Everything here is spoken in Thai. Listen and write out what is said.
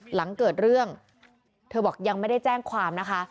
หลังเกิดเรื่องเธอบอกยังไม่ได้แจ้งความนะคะ